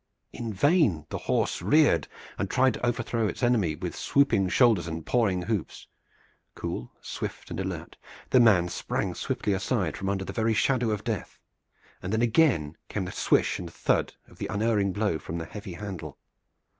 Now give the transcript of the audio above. In vain the horse reared and tried to overthrow its enemy with swooping shoulders and pawing hoofs. Cool, swift and alert, the man sprang swiftly aside from under the very shadow of death, and then again came the swish and thud of the unerring blow from the heavy handle.